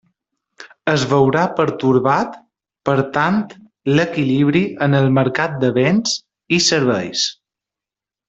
Es veurà pertorbat, per tant, l'equilibri en el mercat de béns i serveis.